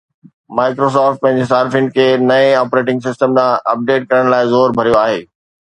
Microsoft پنهنجي صارفين کي نئين آپريٽنگ سسٽم ڏانهن اپڊيٽ ڪرڻ لاء زور ڀريو آهي